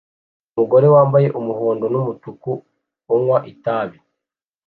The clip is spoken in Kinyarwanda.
Umugore wambaye umuhondo numutuku unywa itabi